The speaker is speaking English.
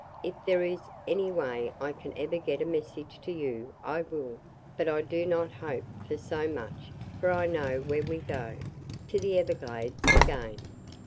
If there is any way I can ever get a message to you, I will, but I do not hope for so much for I know where we go – to the Everglades again.